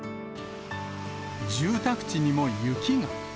住宅地にも雪が。